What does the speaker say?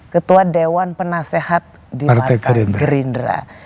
ketua dewan penasehat di partai gerindra